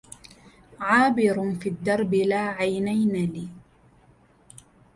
عابر في الدرب لا عينين لي!